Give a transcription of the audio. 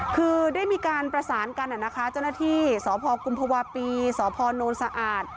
คือได้มีการประสานกันนะคะเจ้าหน้าที่สพกุมภาวะปีสพโนนสะอาด